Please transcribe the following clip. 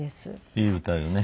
いい歌よね